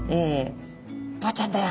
「ボウちゃんだよ」